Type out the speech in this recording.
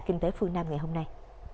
kinh tế phương nam ngày hôm nay